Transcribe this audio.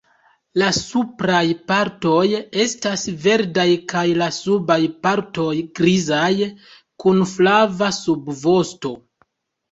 La supraj partoj estas verdaj kaj la subaj partoj grizaj, kun flava subvosto.